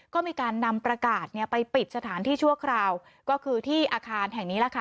ก็มีการนำประกาศไปปิดสถานที่ชั่วคราวก็คือที่อาคารแห่งนี้แหละค่ะ